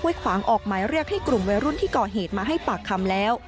ขวางออกหมายเรียกให้กลุ่มวัยรุ่นที่ก่อเหตุมาให้ปากคำแล้ว